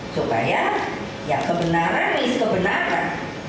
supaya ya kebenaran is kebenaran